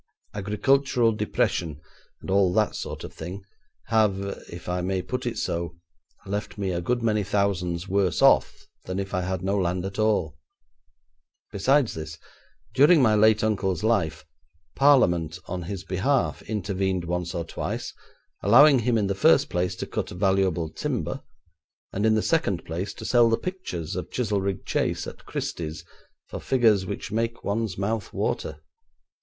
Agricultural depression, and all that sort of thing, have, if I may put it so, left me a good many thousands worse off than if I had no land at all. Besides this, during my late uncle's life, Parliament, on his behalf, intervened once or twice, allowing him in the first place to cut valuable timber, and in the second place to sell the pictures of Chizelrigg Chase at Christie's for figures which make one's mouth water.'